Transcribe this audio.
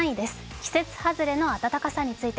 季節外れの暖かさについて。